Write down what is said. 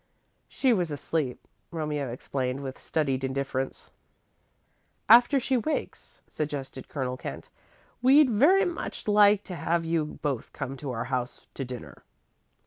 "She was asleep," Romeo explained, with studied indifference. "After she wakes," suggested Colonel Kent, "we'd like very much to have you both come to our house to dinner."